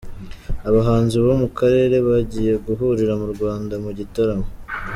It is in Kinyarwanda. Abahanzi bo mu karere bagiye guhurira mu Rwanda mu gitaramo